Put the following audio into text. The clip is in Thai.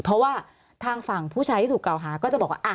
เพราะว่าทางฝั่งผู้ชายที่ถูกกล่าวหาก็จะบอกว่า